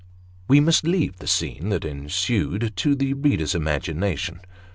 We must leave the scene that ensued to the reader's imagination.